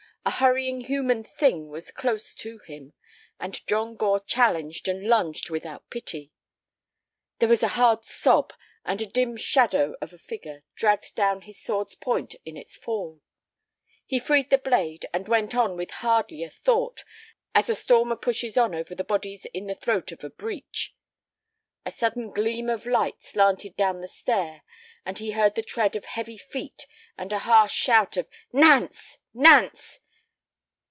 A hurrying human thing was close to him, and John Gore challenged and lunged without pity. There was a hard sob, and a dim shadow of a figure dragged down his sword's point in its fall. He freed the blade and went on with hardly a thought, as a stormer pushes on over the bodies in the throat of a "breach." A sudden gleam of light slanted down the stair, and he heard the tread of heavy feet and a harsh shout of "Nance! Nance!"